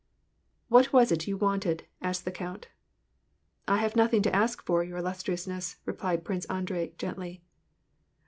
" What was it you wanted ?" asked the count. "I have nothing to ask for, your illustriousness," replied Prince Andrei gently.